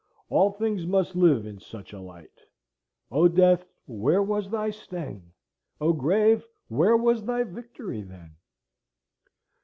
All things must live in such a light. O Death, where was thy sting? O Grave, where was thy victory, then?